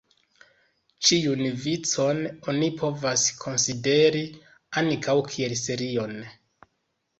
Ĉiun vicon oni povas konsideri ankaŭ kiel serion.